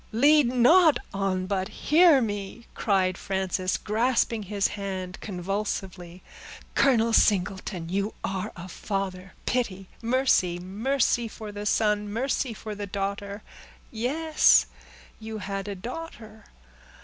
"Lead not on, but hear me," cried Frances, grasping his hand convulsively. "Colonel Singleton, you are a father!—pity—mercy—mercy for the son! mercy for the daughter! Yes—you had a daughter.